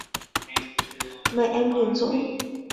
mẹ em liền dỗ